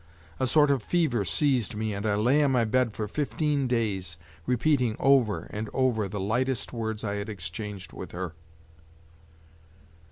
A sort of fever seized me and I lay on my bed for fifteen days, repeating over and over the lightest words I had exchanged with her.